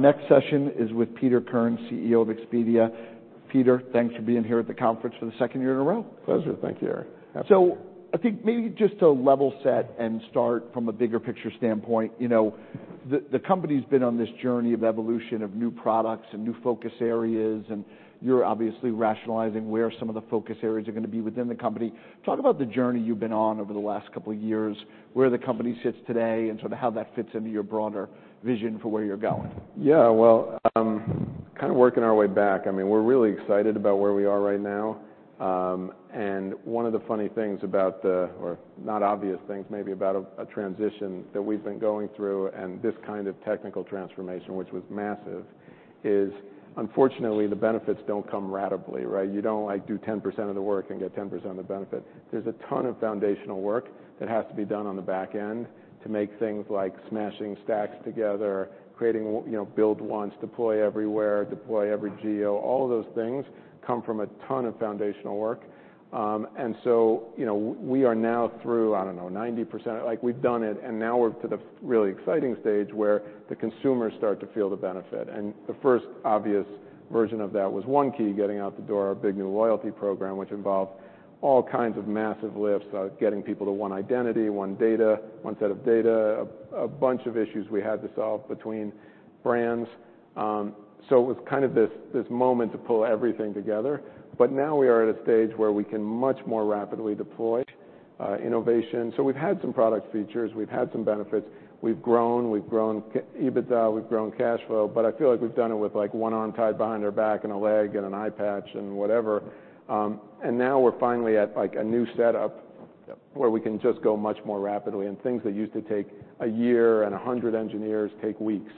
Next session is with Peter Kern, CEO of Expedia. Peter, thanks for being here at the conference for the second year in a row. Pleasure. Thank you, Eric. Happy- I think maybe just to level set and start from a bigger picture standpoint, you know, the company's been on this journey of evolution of new products and new focus areas, and you're obviously rationalizing where some of the focus areas are gonna be within the company. Talk about the journey you've been on over the last couple of years, where the company sits today, and sort of how that fits into your broader vision for where you're going. Yeah, well, kind of working our way back, I mean, we're really excited about where we are right now. And one of the funny things about the... Or not obvious things, maybe, about a transition that we've been going through and this kind of technical transformation, which was massive, is unfortunately, the benefits don't come rapidly, right? You don't, like, do 10% of the work and get 10% of the benefit. There's a ton of foundational work that has to be done on the back end to make things like smashing stacks together, creating, you know, build once, deploy everywhere, deploy every geo. All of those things come from a ton of foundational work. And so, you know, we are now through, I don't know, 90%. Like, we've done it, and now we're to the really fucking exciting stage where the consumers start to feel the benefit. And the first obvious version of that was One Key getting out the door, our big new loyalty program, which involved all kinds of massive lifts, getting people to one identity, one data, one set of data, a bunch of issues we had to solve between brands. So it was kind of this, this moment to pull everything together. But now we are at a stage where we can much more rapidly deploy innovation. So we've had some product features, we've had some benefits. We've grown, we've grown EBITDA, we've grown cash flow, but I feel like we've done it with, like, one arm tied behind our back and a leg and an eye patch and whatever. And now we're finally at, like, a new setup where we can just go much more rapidly, and things that used to take a year and 100 engineers take weeks.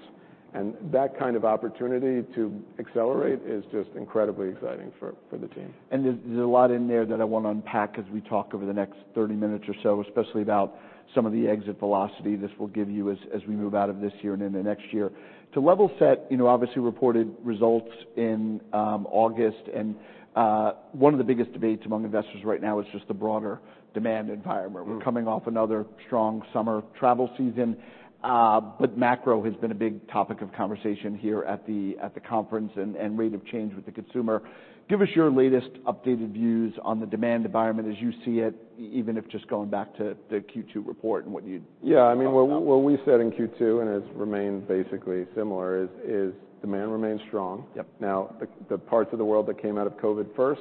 And that kind of opportunity to accelerate is just incredibly exciting for the team. There's a lot in there that I wanna unpack as we talk over the next 30 minutes or so, especially about some of the exit velocity this will give you as we move out of this year and into next year. To level set, you know, obviously reported results in August, and one of the biggest debates among investors right now is just the broader demand environment. Mm. We're coming off another strong summer travel season, but macro has been a big topic of conversation here at the conference and rate of change with the consumer. Give us your latest updated views on the demand environment as you see it, even if just going back to the Q2 report and what you- Yeah, I mean- Talked about... what we said in Q2, and it's remained basically similar, is demand remains strong. Yep. Now, the parts of the world that came out of COVID first,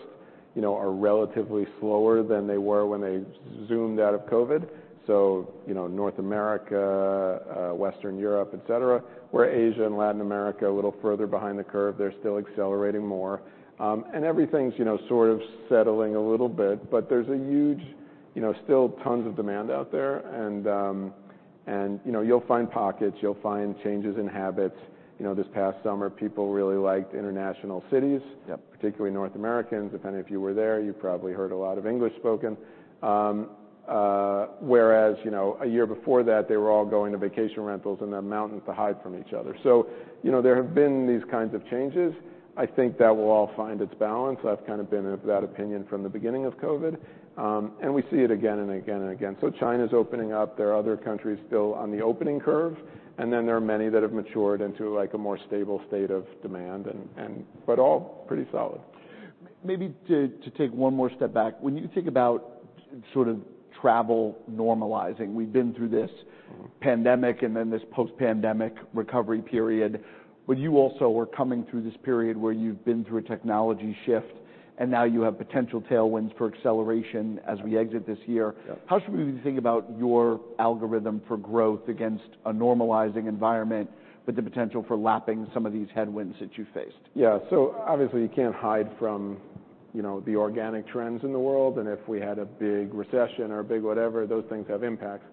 you know, are relatively slower than they were when they zoomed out of COVID, so, you know, North America, Western Europe, et cetera. Where Asia and Latin America, a little further behind the curve, they're still accelerating more. And everything's, you know, sort of settling a little bit, but there's a huge, you know, still tons of demand out there, and, and, you know, you'll find pockets, you'll find changes in habits. You know, this past summer, people really liked international cities- Yep... particularly North Americans. Depending if you were there, you probably heard a lot of English spoken. Whereas, you know, a year before that, they were all going to vacation rentals in the mountains to hide from each other. So, you know, there have been these kinds of changes. I think that will all find its balance. I've kind of been of that opinion from the beginning of COVID, and we see it again and again, and again. So China's opening up. There are other countries still on the opening curve, and then there are many that have matured into, like, a more stable state of demand and... But all pretty solid. Maybe to take one more step back, when you think about sort of travel normalizing, we've been through this- Mm-hmm... pandemic and then this post-pandemic recovery period, but you also are coming through this period where you've been through a technology shift, and now you have potential tailwinds for acceleration as we exit this year. Yep. How should we think about your algorithm for growth against a normalizing environment, but the potential for lapping some of these headwinds that you faced? Yeah. So obviously, you can't hide from, you know, the organic trends in the world, and if we had a big recession or a big whatever, those things have impacts.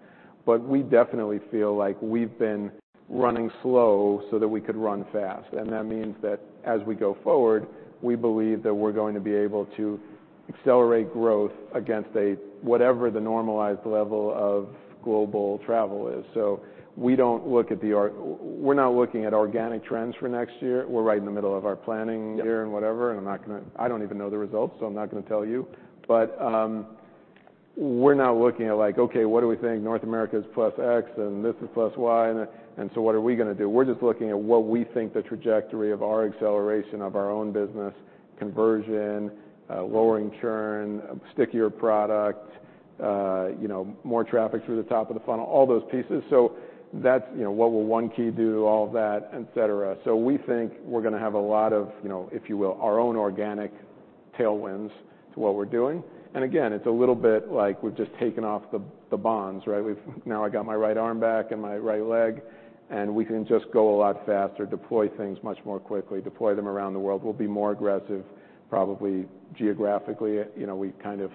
But we definitely feel like we've been running slow so that we could run fast, and that means that as we go forward, we believe that we're going to be able to accelerate growth against a, whatever the normalized level of global travel is. So we don't look at the organic. We're not looking at organic trends for next year. We're right in the middle of our planning year. Yep... and whatever, I'm not gonna-- I don't even know the results, so I'm not gonna tell you. We're not looking at, like, okay, what do we think North America is plus X, and this is plus Y, and, and what are we gonna do? We're just looking at what we think the trajectory of our acceleration of our own business: conversion, lowering churn, stickier product, you know, more traffic through the top of the funnel, all those pieces. That's, you know, what will One Key do? All of that, et cetera. We think we're gonna have a lot of, you know, if you will, our own organic tailwinds to what we're doing. Again, it's a little bit like we've just taken off the bonds, right? We've now got my right arm back and my right leg, and we can just go a lot faster, deploy things much more quickly, deploy them around the world. We'll be more aggressive, probably geographically. You know, we've kind of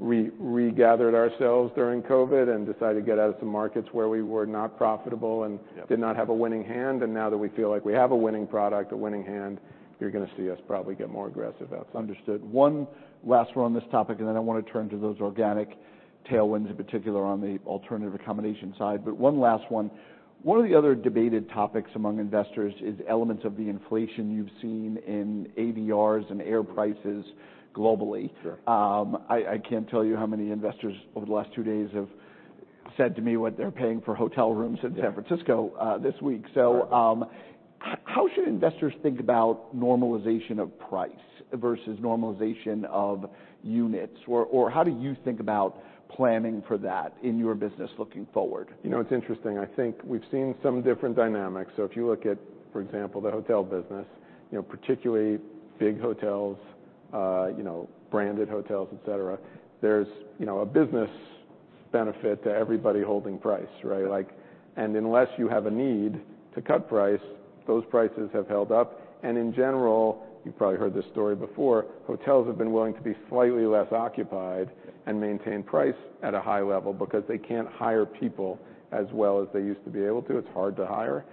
regathered ourselves during COVID and decided to get out of some markets where we were not profitable and- Yep... did not have a winning hand, and now that we feel like we have a winning product, a winning hand, you're gonna see us probably get more aggressive out there. Understood. One last one on this topic, and then I wanna turn to those organic tailwinds, in particular on the alternative accommodation side. But one last one: One of the other debated topics among investors is elements of the inflation you've seen in ADRs and air prices globally. Sure. I can't tell you how many investors over the last two days have said to me what they're paying for hotel rooms in San Francisco this week. So, how should investors think about normalization of price versus normalization of units? Or how do you think about planning for that in your business looking forward? You know, it's interesting. I think we've seen some different dynamics. So if you look at, for example, the hotel business, you know, particularly big hotels, you know, branded hotels, et cetera, there's, you know, a business benefit to everybody holding price, right? Like, and unless you have a need to cut price, those prices have held up, and in general, you've probably heard this story before, hotels have been willing to be slightly less occupied and maintain price at a high level because they can't hire people as well as they used to be able to. It's hard to hire.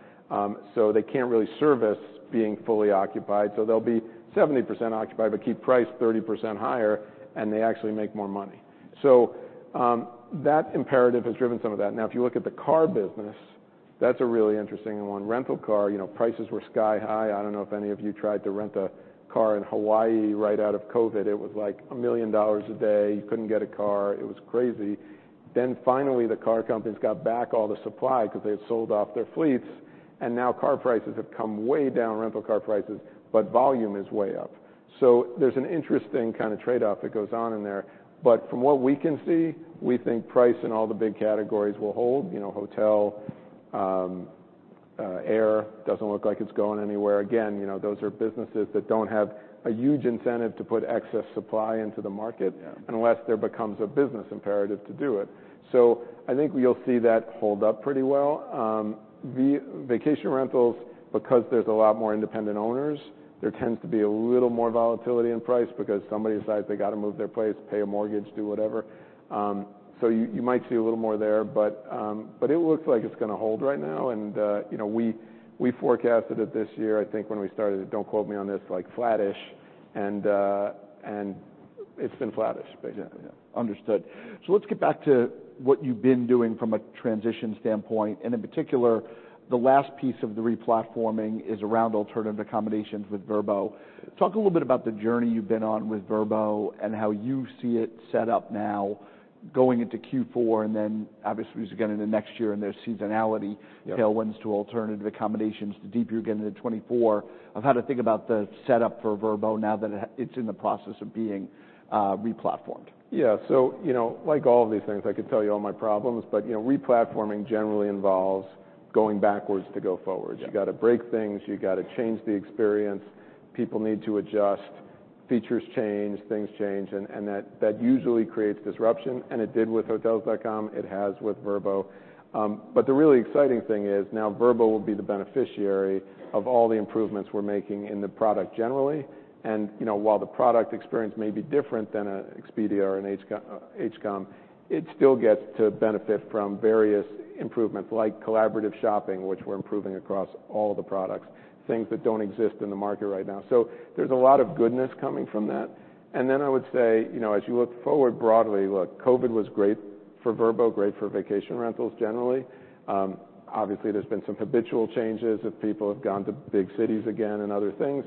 So they can't really service being fully occupied, so they'll be 70% occupied, but keep price 30% higher, and they actually make more money. So, that imperative has driven some of that. Now, if you look at the car business, that's a really interesting one. Rental car, you know, prices were sky high. I don't know if any of you tried to rent a car in Hawaii right out of COVID. It was like $1 million a day. You couldn't get a car. It was crazy. Then finally, the car companies got back all the supply 'cause they had sold off their fleets, and now car prices have come way down, rental car prices, but volume is way up. So there's an interesting kind of trade-off that goes on in there. But from what we can see, we think price in all the big categories will hold. You know, hotel, air doesn't look like it's going anywhere. Again, you know, those are businesses that don't have a huge incentive to put excess supply into the market- Yeah. -unless there becomes a business imperative to do it. So I think you'll see that hold up pretty well. Vacation rentals, because there's a lot more independent owners, there tends to be a little more volatility in price because somebody decides they gotta move their place, pay a mortgage, do whatever. So you, you might see a little more there, but, but it looks like it's gonna hold right now. And, you know, we, we forecasted it this year, I think when we started, don't quote me on this, like, flattish, and, and it's been flattish, basically. Understood. So let's get back to what you've been doing from a transition standpoint, and in particular, the last piece of the replatforming is around alternative accommodations with Vrbo. Talk a little bit about the journey you've been on with Vrbo and how you see it set up now going into Q4, and then obviously, as we get into next year and there's seasonality- Yep... tailwinds to alternative accommodations, the deeper you get into 2024, of how to think about the setup for Vrbo now that it's in the process of being replatformed. Yeah. So, you know, like all of these things, I could tell you all my problems, but, you know, replatforming generally involves going backwards to go forward. Yeah. You gotta break things. You gotta change the experience. People need to adjust. Features change, things change, and that usually creates disruption, and it did with Hotels.com, it has with Vrbo. But the really exciting thing is now Vrbo will be the beneficiary of all the improvements we're making in the product generally, and, you know, while the product experience may be different than an Expedia or an Hotels.com, it still gets to benefit from various improvements, like collaborative shopping, which we're improving across all the products, things that don't exist in the market right now. So there's a lot of goodness coming from that. And then I would say, you know, as you look forward broadly, look, COVID was great for Vrbo, great for vacation rentals generally. Obviously, there's been some habitual changes, that people have gone to big cities again and other things.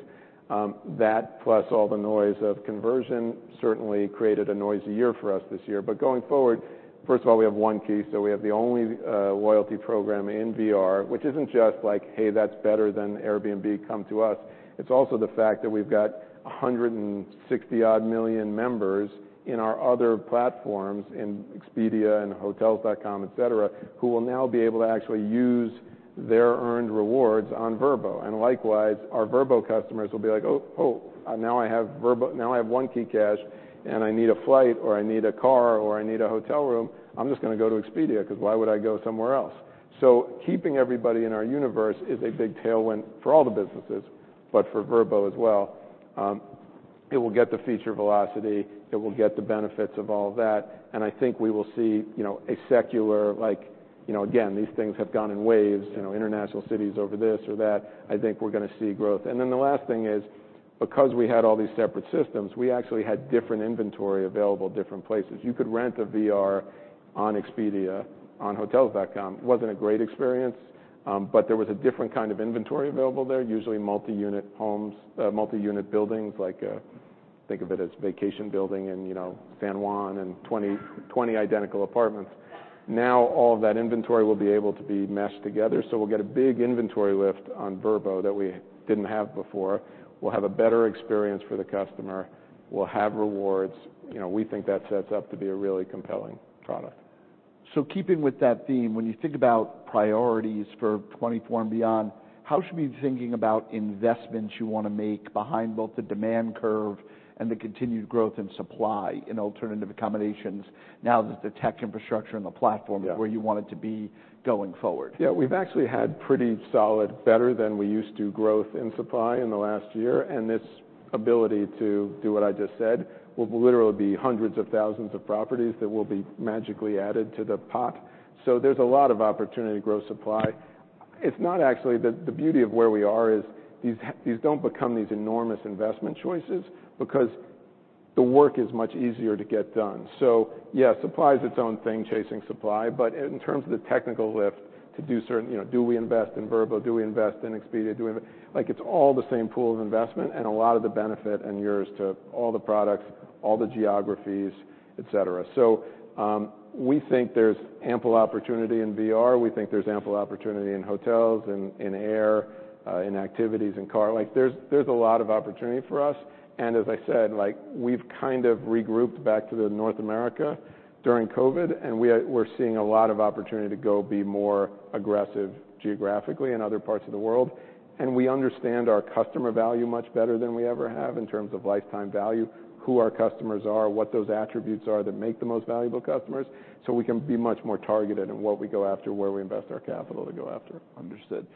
That plus all the noise of conversion certainly created a noisy year for us this year. But going forward, first of all, we have One Key, so we have the only loyalty program in Vrbo, which isn't just like, "Hey, that's better than Airbnb, come to us." It's also the fact that we've got 160-odd million members in our other platforms, in Expedia and Hotels.com, et cetera, who will now be able to actually use their earned rewards on Vrbo. And likewise, our Vrbo customers will be like, "Oh, oh, now I have Vrbo—now I have OneKeyCash, and I need a flight, or I need a car, or I need a hotel room. I'm just gonna go to Expedia, 'cause why would I go somewhere else?" So keeping everybody in our universe is a big tailwind for all the businesses, but for Vrbo as well. It will get the feature velocity, it will get the benefits of all that, and I think we will see, you know, a secular like... You know, again, these things have gone in waves- Yeah You know, international cities over this or that. I think we're gonna see growth. And then the last thing is, because we had all these separate systems, we actually had different inventory available, different places. You could rent a Vrbo on Expedia, on Hotels.com. It wasn't a great experience, but there was a different kind of inventory available there, usually multi-unit homes, multi-unit buildings, like, think of it as vacation building in, you know, San Juan and 20, 20 identical apartments. Now, all of that inventory will be able to be meshed together, so we'll get a big inventory lift on Vrbo that we didn't have before. We'll have a better experience for the customer. We'll have rewards. You know, we think that sets up to be a really compelling product. So keeping with that theme, when you think about priorities for 2024 and beyond, how should we be thinking about investments you wanna make behind both the demand curve and the continued growth in supply in alternative accommodations now that the tech infrastructure and the platform- Yeah is where you want it to be going forward? Yeah, we've actually had pretty solid, better than we used to, growth in supply in the last year, and this ability to do what I just said will literally be hundreds of thousands of properties that will be magically added to the pot. So there's a lot of opportunity to grow supply. It's not actually the beauty of where we are is, these don't become these enormous investment choices because the work is much easier to get done. So yes, supply is its own thing, chasing supply, but in terms of the technical lift to do certain, you know, do we invest in Vrbo? Do we invest in Expedia? Do we-- Like, it's all the same pool of investment, and a lot of the benefit and yours to all the products, all the geographies, et cetera. So we think there's ample opportunity in Vrbo. We think there's ample opportunity in hotels, in air, in activities, in car. Like, there's a lot of opportunity for us, and as I said, like, we've kind of regrouped back to the North America during COVID, and we're seeing a lot of opportunity to go be more aggressive geographically in other parts of the world. And we understand our customer value much better than we ever have in terms of lifetime value, who our customers are, what those attributes are that make the most valuable customers, so we can be much more targeted in what we go after, where we invest our capital to go after. Understood.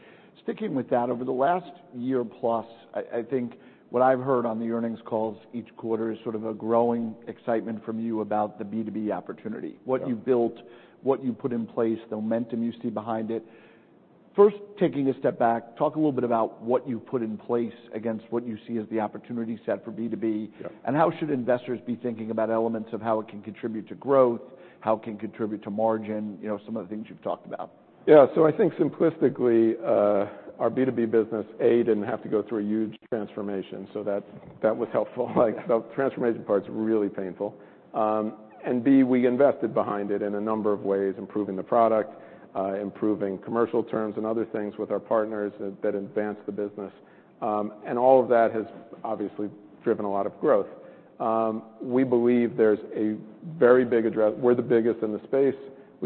Sticking with that, over the last year plus, I think what I've heard on the earnings calls each quarter is sort of a growing excitement from you about the B2B opportunity- Yeah What you've built, what you put in place, the momentum you see behind it. First, taking a step back, talk a little bit about what you've put in place against what you see as the opportunity set for B2B. Yeah. How should investors be thinking about elements of how it can contribute to growth, how it can contribute to margin, you know, some of the things you've talked about? Yeah. So I think simplistically, our B2B business, A, didn't have to go through a huge transformation, so that, that was helpful. Like, the transformation part's really painful. And B, we invested behind it in a number of ways, improving the product, improving commercial terms and other things with our partners that, that advanced the business. And all of that has obviously driven a lot of growth. We believe there's a very big address... We're the biggest in the space.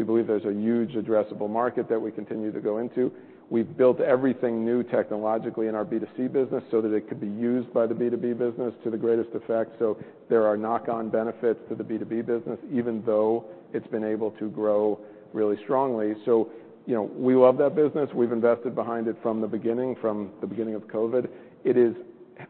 We believe there's a huge addressable market that we continue to go into. We've built everything new technologically in our B2C business so that it could be used by the B2B business to the greatest effect. So there are knock-on benefits to the B2B business, even though it's been able to grow really strongly. So, you know, we love that business. We've invested behind it from the beginning, from the beginning of COVID. It is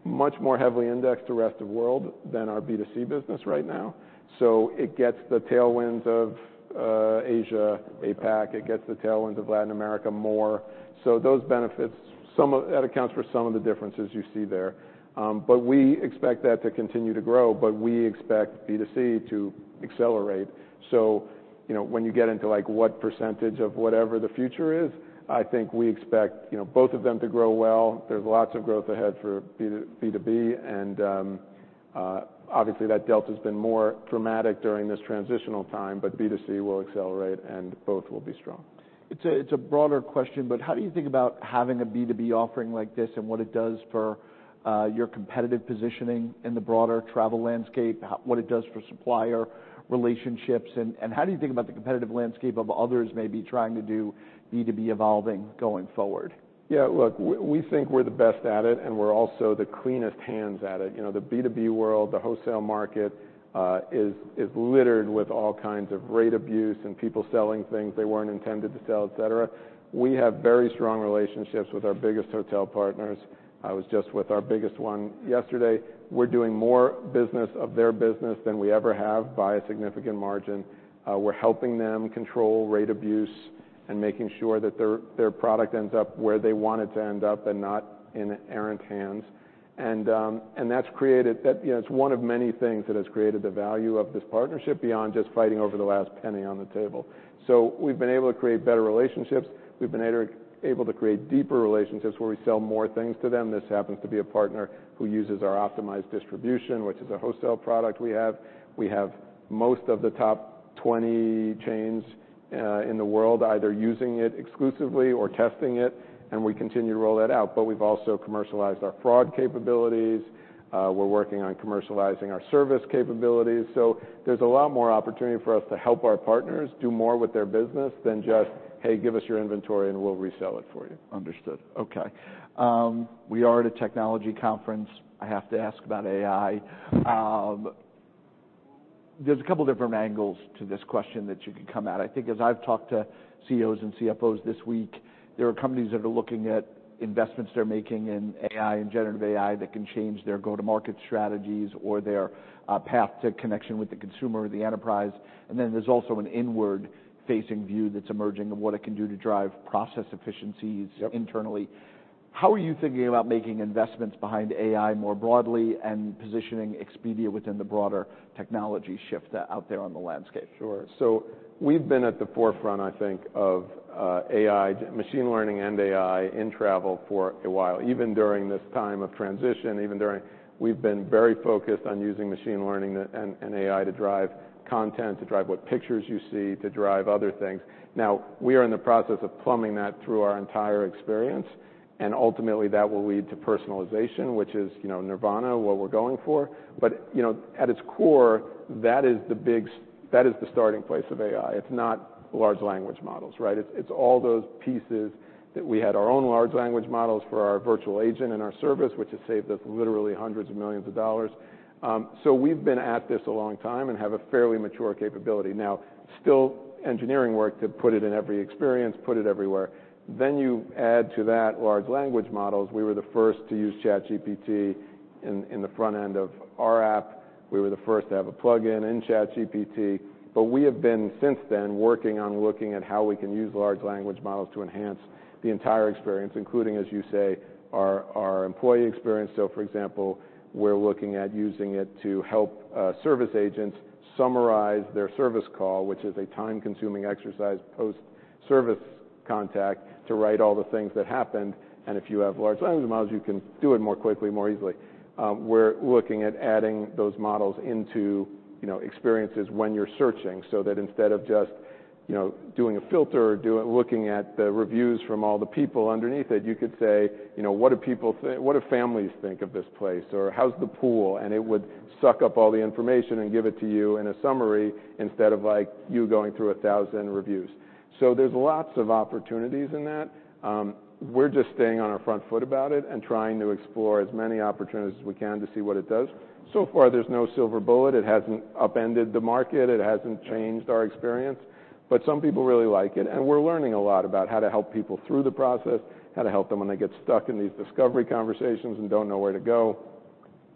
much more heavily indexed to rest of world than our B2C business right now, so it gets the tailwinds of Asia, APAC. It gets the tailwinds of Latin America more. So those benefits, some of that accounts for some of the differences you see there. But we expect that to continue to grow, but we expect B2C to accelerate. So, you know, when you get into, like, what percentage of whatever the future is, I think we expect, you know, both of them to grow well. There's lots of growth ahead for B2B, and obviously, that delta's been more dramatic during this transitional time, but B2C will accelerate, and both will be strong. It's a broader question, but how do you think about having a B2B offering like this, and what it does for your competitive positioning in the broader travel landscape? What it does for supplier relationships, and how do you think about the competitive landscape of others maybe trying to do B2B evolving going forward? Yeah, look, we think we're the best at it, and we're also the cleanest hands at it. You know, the B2B world, the wholesale market, is littered with all kinds of rate abuse and people selling things they weren't intended to sell, et cetera. We have very strong relationships with our biggest hotel partners. I was just with our biggest one yesterday. We're doing more business of their business than we ever have by a significant margin. We're helping them control rate abuse and making sure that their product ends up where they want it to end up and not in errant hands. And that's created... That, you know, it's one of many things that has created the value of this partnership, beyond just fighting over the last penny on the table. So we've been able to create better relationships. We've been able to create deeper relationships, where we sell more things to them. This happens to be a partner who uses our Optimized Distribution, which is a wholesale product we have. We have most of the top 20 chains in the world, either using it exclusively or testing it, and we continue to roll that out. But we've also commercialized our fraud capabilities. We're working on commercializing our service capabilities. So there's a lot more opportunity for us to help our partners do more with their business than just, "Hey, give us your inventory, and we'll resell it for you. Understood. Okay. We are at a technology conference. I have to ask about AI. There's a couple different angles to this question that you can come at. I think as I've talked to CEOs and CFOs this week, there are companies that are looking at investments they're making in AI and generative AI that can change their go-to-market strategies or their path to connection with the consumer or the enterprise. And then there's also an inward-facing view that's emerging of what it can do to drive process efficiencies- Yep -internally. How are you thinking about making investments behind AI more broadly and positioning Expedia within the broader technology shift, out there on the landscape? Sure. So we've been at the forefront, I think, of AI, machine learning and AI in travel for a while. Even during this time of transition, even during... We've been very focused on using machine learning and AI to drive content, to drive what pictures you see, to drive other things. Now, we are in the process of plumbing that through our entire experience, and ultimately, that will lead to personalization, which is, you know, nirvana, what we're going for. But, you know, at its core, that is the starting place of AI. It's not large language models, right? It's all those pieces that we had our own large language models for our virtual agent and our service, which has saved us literally hundreds of millions of dollars. So we've been at this a long time and have a fairly mature capability. Now, still engineering work to put it in every experience, put it everywhere. Then you add to that large language models. We were the first to use ChatGPT in the front end of our app. We were the first to have a plugin in ChatGPT, but we have been, since then, working on looking at how we can use large language models to enhance the entire experience, including, as you say, our employee experience. So for example, we're looking at using it to help service agents summarize their service call, which is a time-consuming exercise, post-service contact, to write all the things that happened, and if you have large language models, you can do it more quickly, more easily. We're looking at adding those models into, you know, experiences when you're searching, so that instead of just, you know, doing a filter or looking at the reviews from all the people underneath it, you could say, you know, "What do people think, what do families think of this place?" Or, "How's the pool?" And it would suck up all the information and give it to you in a summary instead of, like, you going through 1,000 reviews. So there's lots of opportunities in that. We're just staying on our front foot about it and trying to explore as many opportunities as we can to see what it does. So far, there's no silver bullet. It hasn't upended the market. It hasn't changed our experience. But some people really like it, and we're learning a lot about how to help people through the process, how to help them when they get stuck in these discovery conversations and don't know where to go.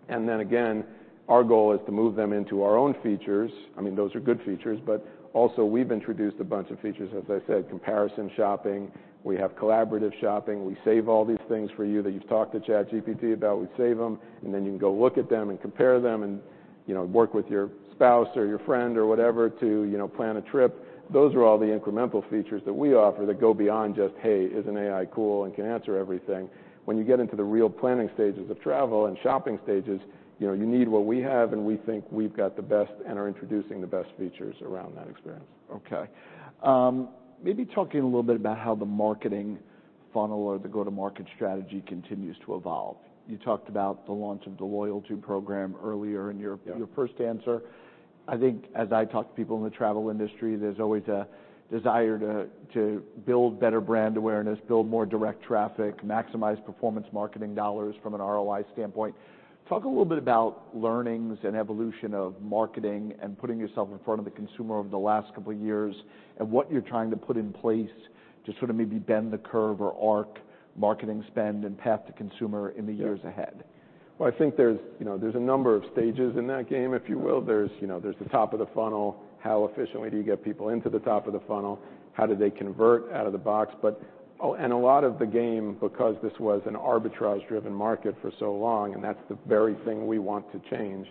And then again, our goal is to move them into our own features. I mean, those are good features, but also we've introduced a bunch of features, as I said, comparison shopping, we have collaborative shopping, we save all these things for you that you've talked to ChatGPT about. We save them, and then you can go look at them and compare them and, you know, work with your spouse or your friend or whatever to, you know, plan a trip. Those are all the incremental features that we offer that go beyond just, "Hey, isn't AI cool and can answer everything?" When you get into the real planning stages of travel and shopping stages, you know, you need what we have, and we think we've got the best and are introducing the best features around that experience. Okay. Maybe talking a little bit about how the marketing funnel or the go-to-market strategy continues to evolve. You talked about the launch of the loyalty program earlier in your- Yeah... Your first answer. I think as I talk to people in the travel industry, there's always a desire to build better brand awareness, build more direct traffic, maximize performance marketing dollars from an ROI standpoint. Talk a little bit about learnings and evolution of marketing and putting yourself in front of the consumer over the last couple of years, and what you're trying to put in place to sort of maybe bend the curve or arc marketing spend and path to consumer in the years ahead? Well, I think there's, you know, there's a number of stages in that game, if you will. There's, you know, there's the top of the funnel. How efficiently do you get people into the top of the funnel? How do they convert out of the box? But, oh, and a lot of the game, because this was an arbitrage-driven market for so long, and that's the very thing we want to change,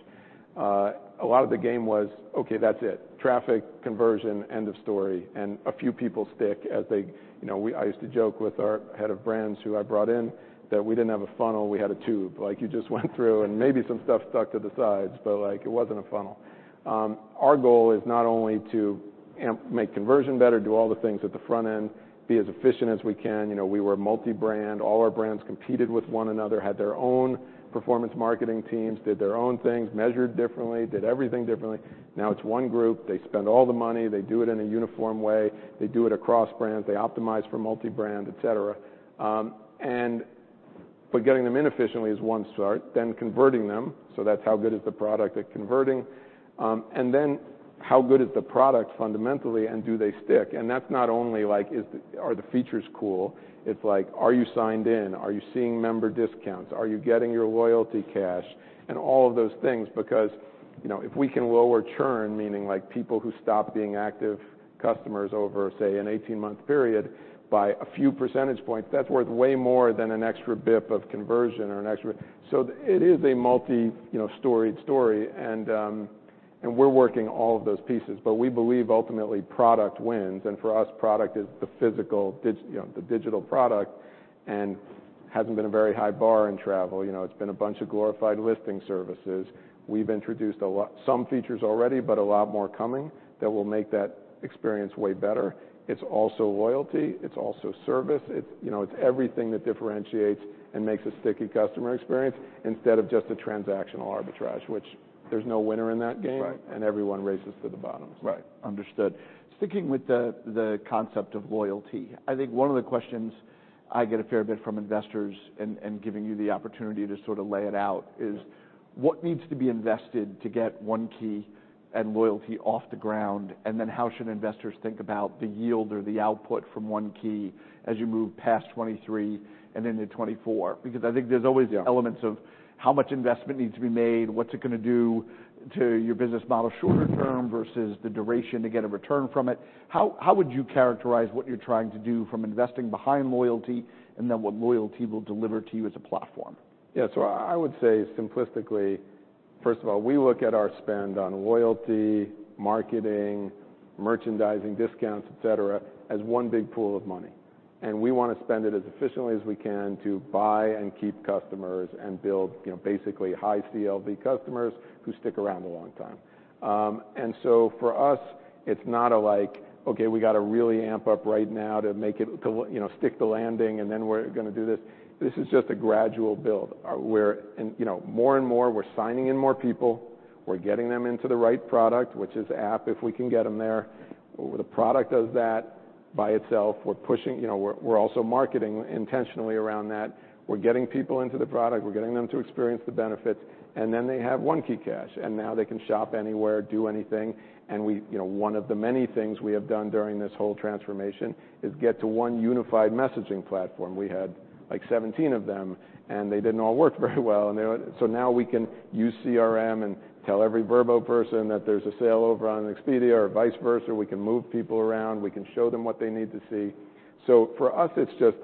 a lot of the game was, okay, that's it. Traffic conversion, end of story. And a few people stick as they... You know, we—I used to joke with our head of brands, who I brought in, that we didn't have a funnel, we had a tube. Like, you just went through and maybe some stuff stuck to the sides, but, like, it wasn't a funnel. Our goal is not only to make conversion better, do all the things at the front end, be as efficient as we can. You know, we were multi-brand. All our brands competed with one another, had their own performance marketing teams, did their own things, measured differently, did everything differently. Now, it's one group. They spend all the money. They do it in a uniform way. They do it across brands. They optimize for multi-brand, et cetera. And but getting them in efficiently is one start, then converting them. So that's how good is the product at converting? And then how good is the product fundamentally, and do they stick? And that's not only like, is the... Are the features cool? It's like, are you signed in? Are you seeing member discounts? Are you getting your loyalty cash and all of those things. Because, you know, if we can lower churn, meaning, like, people who stop being active customers over, say, an 18-month period by a few percentage points, that's worth way more than an extra basis point of conversion or an extra... So it is a multi-storied story, and we're working all of those pieces, but we believe ultimately product wins, and for us, product is the digital product, and hasn't been a very high bar in travel. You know, it's been a bunch of glorified listing services. We've introduced a lot, some features already, but a lot more coming that will make that experience way better. It's also loyalty. It's also service. It's, you know, it's everything that differentiates and makes a sticky customer experience instead of just a transactional arbitrage, which there's no winner in that game- Right... and everyone races to the bottom. Right. Understood. Sticking with the concept of loyalty, I think one of the questions I get a fair bit from investors, and giving you the opportunity to sort of lay it out, is what needs to be invested to get One Key and loyalty off the ground, and then how should investors think about the yield or the output from One Key as you move past 2023 and into 2024? Because I think there's always- Yeah... elements of how much investment needs to be made, what's it gonna do to your business model shorter term versus the duration to get a return from it. How, how would you characterize what you're trying to do from investing behind loyalty and then what loyalty will deliver to you as a platform? Yeah. So I would say simplistically, first of all, we look at our spend on loyalty, marketing, merchandising, discounts, et cetera, as one big pool of money. And we wanna spend it as efficiently as we can to buy and keep customers and build, you know, basically high CLV customers who stick around a long time. And so for us, it's not like, okay, we got to really amp up right now to, you know, stick the landing, and then we're gonna do this. This is just a gradual build. And you know, more and more, we're signing in more people. We're getting them into the right product, which is app, if we can get them there. The product does that by itself. We're pushing... You know, we're also marketing intentionally around that. We're getting people into the product, we're getting them to experience the benefits, and then they have OneKeyCash, and now they can shop anywhere, do anything, and we, you know, one of the many things we have done during this whole transformation is get to one unified messaging platform. We had, like, 17 of them, and they didn't all work very well, and they went. So now we can use CRM and tell every Vrbo person that there's a sale over on Expedia or vice versa. We can move people around. We can show them what they need to see. So for us, it's just.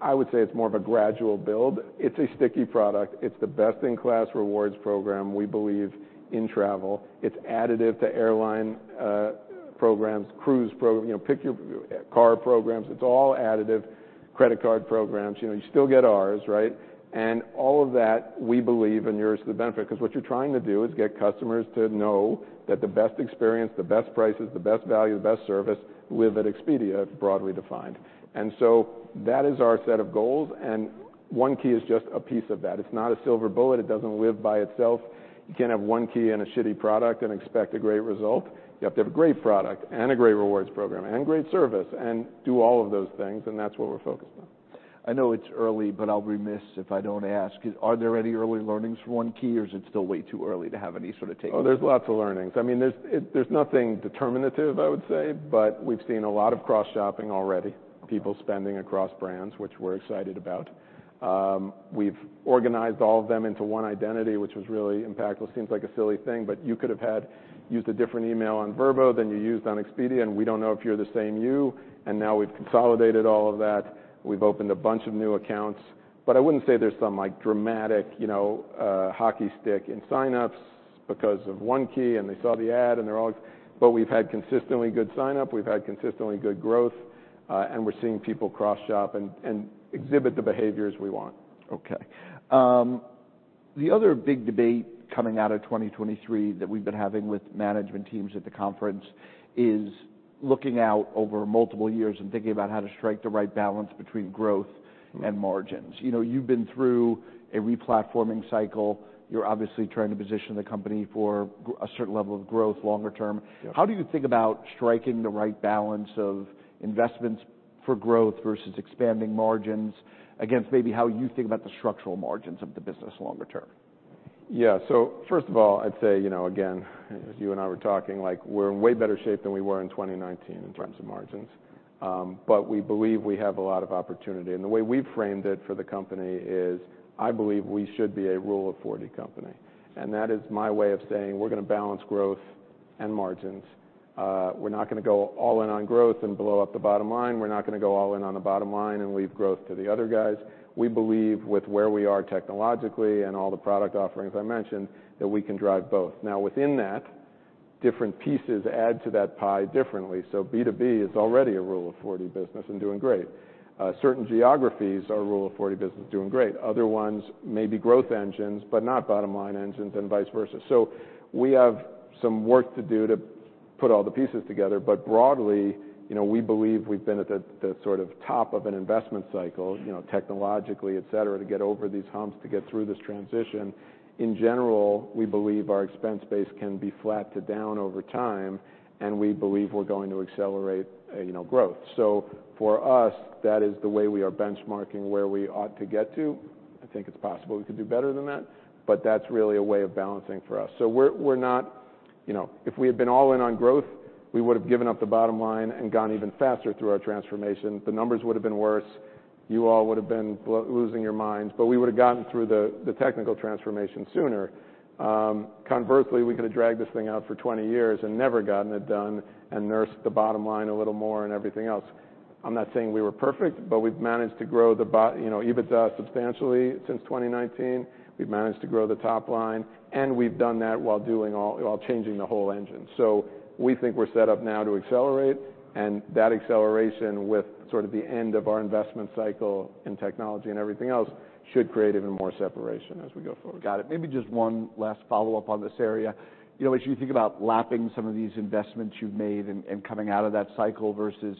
I would say it's more of a gradual build. It's a sticky product. It's the best-in-class rewards program, we believe, in travel. It's additive to airline programs, cruise programs, you know, pick your car programs. It's all additive, credit card programs. You know, you still get ours, right? And all of that, we believe, accrues to the benefit because what you're trying to do is get customers to know that the best experience, the best prices, the best value, the best service live at Expedia, broadly defined. And so that is our set of goals, and One Key is just a piece of that. It's not a silver bullet. It doesn't live by itself. You can't have One Key and a shitty product and expect a great result. You have to have a great product and a great rewards program and great service and do all of those things, and that's what we're focused on. I know it's early, but I'll be remiss if I don't ask: Are there any early learnings for One Key, or is it still way too early to have any sort of takeaway? Oh, there's lots of learnings. I mean, there's nothing determinative, I would say, but we've seen a lot of cross-shopping already, people spending across brands, which we're excited about. We've organized all of them into one identity, which was really impactful. Seems like a silly thing, but you could have had used a different email on Vrbo than you used on Expedia, and we don't know if you're the same you, and now we've consolidated all of that. We've opened a bunch of new accounts, but I wouldn't say there's some, like, dramatic, you know, hockey stick in signups because of One Key, and they saw the ad and they're all... But we've had consistently good signup, we've had consistently good growth, and we're seeing people cross-shop and exhibit the behaviors we want. Okay. The other big debate coming out of 2023 that we've been having with management teams at the conference is looking out over multiple years and thinking about how to strike the right balance between growth and margins. You know, you've been through a replatforming cycle. You're obviously trying to position the company for a certain level of growth longer term. Yes. How do you think about striking the right balance of investments for growth versus expanding margins against maybe how you think about the structural margins of the business longer term? Yeah. So first of all, I'd say, you know, again, as you and I were talking, like, we're in way better shape than we were in 2019 in terms of margins. But we believe we have a lot of opportunity, and the way we've framed it for the company is, I believe we should be a Rule of 40 company, and that is my way of saying we're gonna balance growth and margins. We're not gonna go all in on growth and blow up the bottom line. We're not gonna go all in on the bottom line and leave growth to the other guys. We believe with where we are technologically and all the product offerings I mentioned, that we can drive both. Now, within that, different pieces add to that pie differently. So B2B is already a Rule of 40 business and doing great. Certain geographies are Rule of 40 business, doing great. Other ones may be growth engines, but not bottom-line engines, and vice versa. So we have some work to do to put all the pieces together. But broadly, you know, we believe we've been at the sort of top of an investment cycle, you know, technologically, et cetera, to get over these humps, to get through this transition. In general, we believe our expense base can be flat to down over time, and we believe we're going to accelerate, you know, growth. So for us, that is the way we are benchmarking where we ought to get to. I think it's possible we could do better than that, but that's really a way of balancing for us. So we're not... You know, if we had been all in on growth, we would've given up the bottom line and gone even faster through our transformation. The numbers would've been worse, you all would've been losing your minds, but we would've gotten through the technical transformation sooner. Conversely, we could have dragged this thing out for 20 years and never gotten it done and nursed the bottom line a little more and everything else. I'm not saying we were perfect, but we've managed to grow the, you know, EBITDA substantially since 2019. We've managed to grow the top line, and we've done that while doing all... while changing the whole engine. So we think we're set up now to accelerate, and that acceleration with sort of the end of our investment cycle in technology and everything else, should create even more separation as we go forward. Got it. Maybe just one last follow-up on this area. You know, as you think about lapping some of these investments you've made and coming out of that cycle versus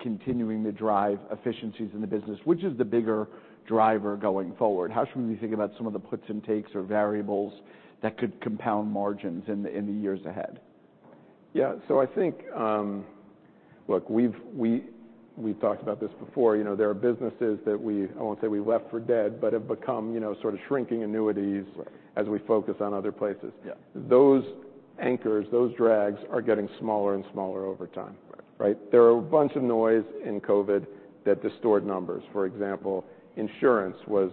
continuing to drive efficiencies in the business, which is the bigger driver going forward? How should we think about some of the puts and takes or variables that could compound margins in the years ahead? Yeah. So I think, look, we've talked about this before. You know, there are businesses that we... I won't say we left for dead, but have become, you know, sort of shrinking annuities- Right... as we focus on other places. Yeah. Those anchors, those drags, are getting smaller and smaller over time. Right. Right? There are a bunch of noise in COVID that distort numbers. For example, insurance was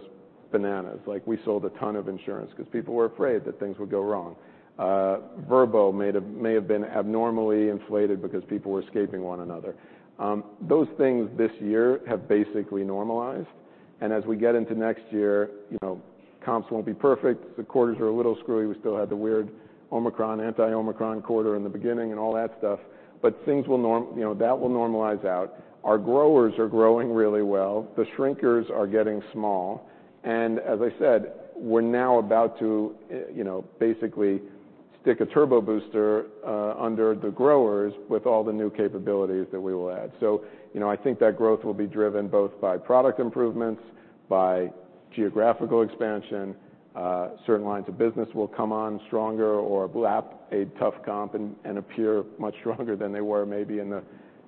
bananas. Like, we sold a ton of insurance 'cause people were afraid that things would go wrong. Vrbo may have been abnormally inflated because people were escaping one another. Those things this year have basically normalized, and as we get into next year, you know, comps won't be perfect. The quarters are a little screwy. We still had the weird Omicron, anti-Omicron quarter in the beginning and all that stuff, but things will normalize out, you know. Our growers are growing really well, the shrinkers are getting small, and as I said, we're now about to, you know, basically stick a turbo booster under the growers with all the new capabilities that we will add. So, you know, I think that growth will be driven both by product improvements, by geographical expansion. Certain lines of business will come on stronger or lap a tough comp and appear much stronger than they were maybe in the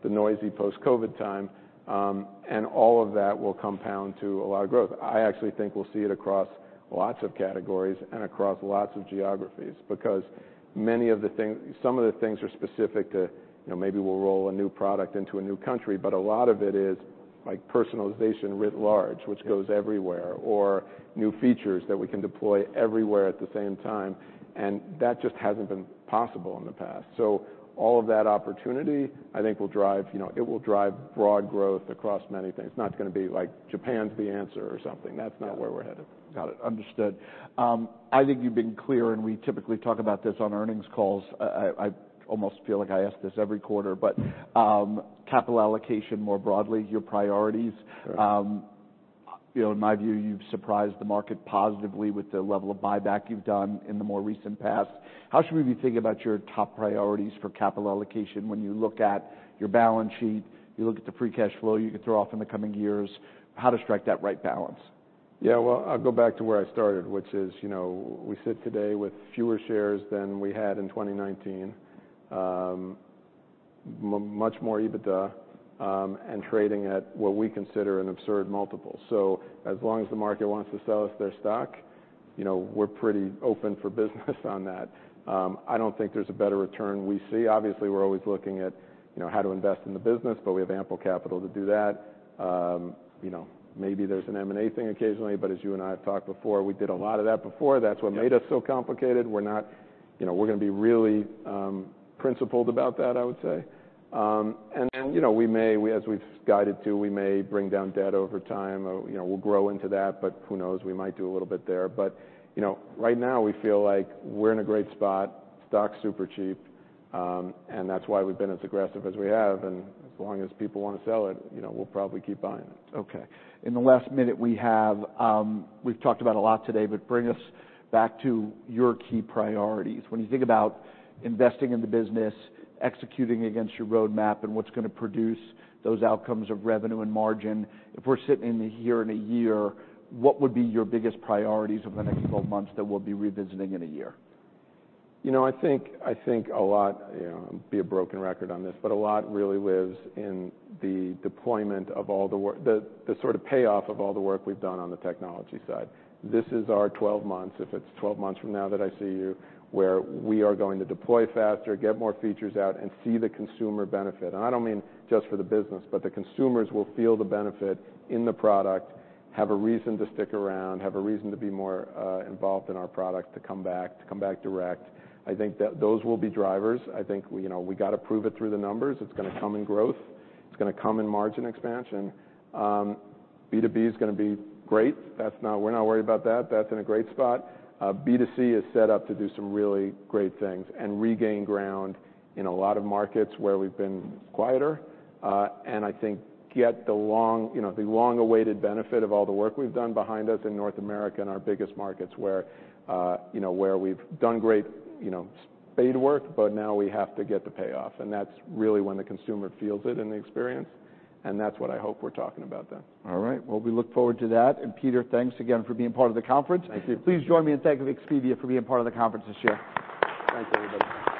noisy post-COVID time. And all of that will compound to a lot of growth. I actually think we'll see it across lots of categories and across lots of geographies, because many of the things—some of the things are specific to, you know, maybe we'll roll a new product into a new country, but a lot of it is like personalization writ large, which goes everywhere, or new features that we can deploy everywhere at the same time, and that just hasn't been possible in the past. So all of that opportunity, I think, will drive, you know, it will drive broad growth across many things. It's not gonna be like Japan's the answer or something. That's not where we're headed. Got it. Understood. I think you've been clear, and we typically talk about this on earnings calls. I almost feel like I ask this every quarter, but capital allocation, more broadly, your priorities. Sure. You know, in my view, you've surprised the market positively with the level of buyback you've done in the more recent past. How should we be thinking about your top priorities for capital allocation when you look at your balance sheet, you look at the free cash flow you can throw off in the coming years, how to strike that right balance? Yeah. Well, I'll go back to where I started, which is, you know, we sit today with fewer shares than we had in 2019. Much more EBITDA, and trading at what we consider an absurd multiple. So as long as the market wants to sell us their stock, you know, we're pretty open for business on that. I don't think there's a better return we see. Obviously, we're always looking at, you know, how to invest in the business, but we have ample capital to do that. You know, maybe there's an M&A thing occasionally, but as you and I have talked before, we did a lot of that before. Yeah. That's what made us so complicated. We're not... You know, we're gonna be really principled about that, I would say. And then, you know, we may, as we've guided to, we may bring down debt over time, or, you know, we'll grow into that, but who knows? We might do a little bit there. But, you know, right now, we feel like we're in a great spot, stock's super cheap, and that's why we've been as aggressive as we have, and as long as people wanna sell it, you know, we'll probably keep buying. Okay. In the last minute we have, we've talked about a lot today, but bring us back to your key priorities. When you think about investing in the business, executing against your roadmap, and what's gonna produce those outcomes of revenue and margin, if we're sitting in here in a year, what would be your biggest priorities over the next 12 months that we'll be revisiting in a year? You know, I think, I think a lot, you know, be a broken record on this, but a lot really lives in the deployment of all the work, the sort of payoff of all the work we've done on the technology side. This is our 12 months, if it's 12 months from now that I see you, where we are going to deploy faster, get more features out, and see the consumer benefit. And I don't mean just for the business, but the consumers will feel the benefit in the product, have a reason to stick around, have a reason to be more involved in our product, to come back, to come back direct. I think that those will be drivers. I think, we, you know, we gotta prove it through the numbers. It's gonna come in growth. It's gonna come in margin expansion. B2B is gonna be great. That's not—we're not worried about that. That's in a great spot. B2C is set up to do some really great things and regain ground in a lot of markets where we've been quieter. And I think get the long, you know, the long-awaited benefit of all the work we've done behind us in North America and our biggest markets where, you know, where we've done great, you know, spade work, but now we have to get the payoff. And that's really when the consumer feels it in the experience, and that's what I hope we're talking about then. All right. Well, we look forward to that. Peter, thanks again for being part of the conference. Thank you. Please join me in thanking Expedia for being part of the conference this year. Thanks, everybody.